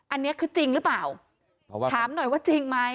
อันนี้คือจริงหรือเปล่าถามหน่อยว่าจริงไหม